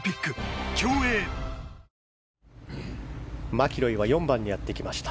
マキロイは４番にやってきました。